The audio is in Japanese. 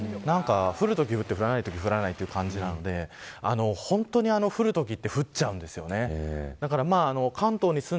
降るときは降って降らないときは降らないという感じなので本当に、降るときは降っちゃうんです。